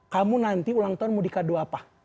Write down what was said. kamu nanti ulang tahun mau dikado apa